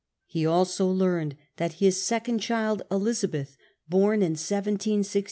He also learned that his second child, Elizabeth, born in 1766, was dead.